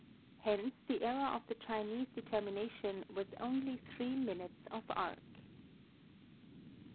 Hence the error Of the Chinese determina tion was only three minutes of arc.